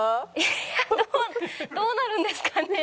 いやどうどうなるんですかね？